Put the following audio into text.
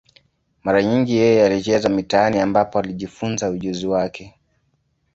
Mara nyingi yeye alicheza mitaani, ambapo alijifunza ujuzi wake.